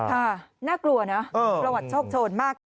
ค่ะน่ากลัวนะประวัติโชคโทษมาก